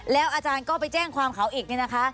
แล้วอาจารย์ก็ไปแจ้งความเขาอีกเนี่ยนะคะ